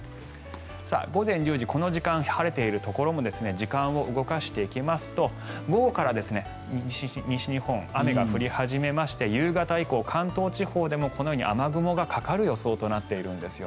午前１０時この時間、晴れているところも時間を動かしていきますと午後から西日本、雨が降り始めまして夕方以降、関東地方でもこのように雨雲がかかる予想となっています。